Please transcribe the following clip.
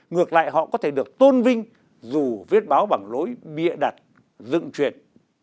ngược lại họ có thể được tôn vinh dù viết báo bằng lối bịa đặt dựng truyền